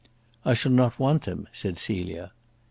"I shall not want them," said Celia.